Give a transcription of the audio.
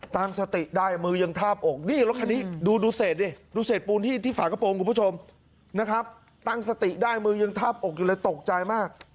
ตั้งสติได้มือยังทาบอกนี่รถคันนี้ดูเศษดิดูเศษปูนที่ฝากระโปรงคุณผู้ชมนะครับตั้งสติได้มือยังทาบอกอยู่เลยตกใจมาก